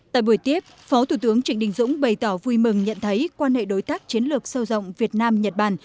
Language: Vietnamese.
tại buổi tiếp phó thủ tướng trịnh đình dũng bày tỏ vui mừng nhận thấy quan hệ đối tác chiến lược sâu rộng việt nam nhật bản